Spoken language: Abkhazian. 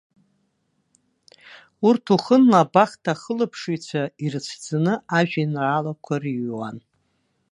Урҭ уахынла абахҭа ахылаԥшҩцәа ирыцәӡаны ажәеинраалақәа рыҩуан.